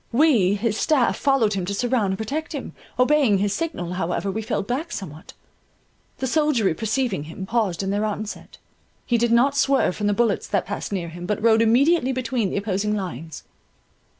We, his staff, followed him to surround and protect him; obeying his signal, however, we fell back somewhat. The soldiery perceiving him, paused in their onset; he did not swerve from the bullets that passed near him, but rode immediately between the opposing lines.